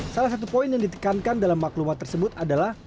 salah satu poin yang ditekankan dalam maklumat tersebut adalah